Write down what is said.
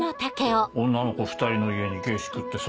女の子２人の家に下宿ってさぁ。